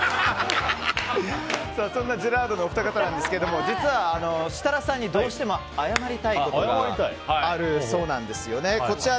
そんなジェラードンのお二方なんですが実は、設楽さんにどうしても謝りたいことがあるそうなんです。